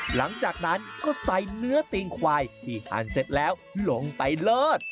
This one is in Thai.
หลังจากนั้นก็ใส่เนื้อติงควายที่ทานเสร็จแล้วลงไปเลิศ